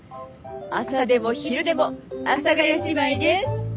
朝でも昼でも阿佐ヶ谷姉妹です！